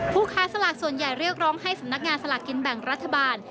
ผู้ค้าสลากส่วนใหญ่เรียกร้องให้สำนักงานสลากกินแบ่งรัฐบาล